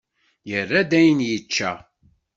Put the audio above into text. Yerra-d ayen i yečča.